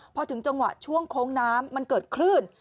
พอถึงจังหวะช่วงโค้งน้ำมันเกิดคลื่น